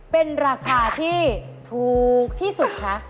เป็นราคาที่ถูกที่สุดคะ